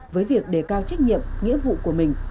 với việc đề cao trách nhiệm nghĩa vụ của mình